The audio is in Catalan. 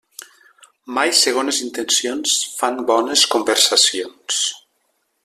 Mai segones intencions fan bones conversacions.